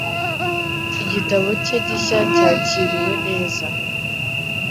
Igitabo cye gishya cyakiriwe neza.